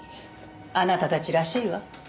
あなたたちらしいわ。